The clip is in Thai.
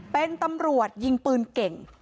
เป็นตำรวจยิงปืนเก่ง